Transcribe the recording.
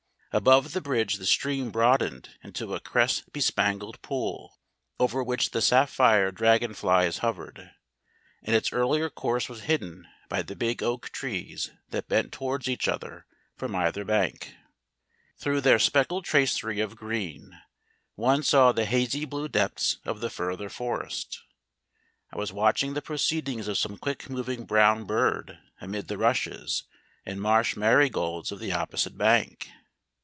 Above the bridge the stream broadened into a cress bespangled pool, over which the sapphire dragon flies hovered, and its earlier course was hidden by the big oak trees that bent towards each other from either bank. Through their speckled tracery of green one saw the hazy blue depths of the further forest. I was watching the proceedings of some quick moving brown bird amid the rushes and marsh marigolds of the opposite bank.